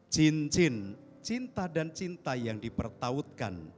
cin cin cinta dan cinta yang dipertautkan